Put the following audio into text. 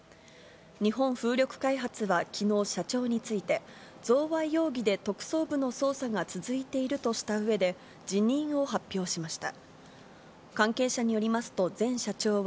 日本風力開発はきのう、社長について、贈賄容疑で特捜部の捜査が続いているとしたうえで、辞任を発表しました。